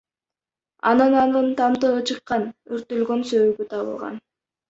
Анан анын тамтыгы чыккан, өрттөлгөн сөөгү табылган.